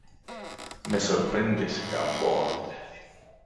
me sorprendes, Gamboa.